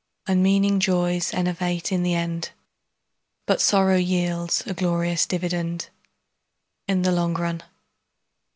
Unmeaning joys enervate in the end, But sorrow yields a glorious dividend In the long run.